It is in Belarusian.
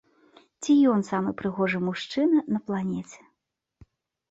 Ці ён самы прыгожы мужчына на планеце?